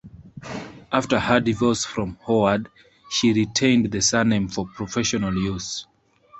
After her divorce from Howard, she retained the surname for professional use.